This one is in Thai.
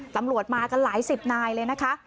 ตำรวจมากันหลายสิบนายเลยนะคะ